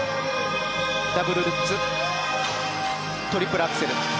ダブルルッツトリプルアクセル。